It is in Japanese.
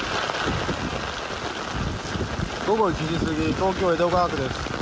午後１時過ぎ東京・江戸川区です。